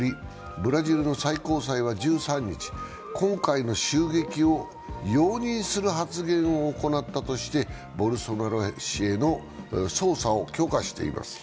ブラジルの最高裁は１３日、今回の襲撃を容認する発言を行ったとしてボルソナロ氏への捜査を許可しています。